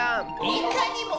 いかにも！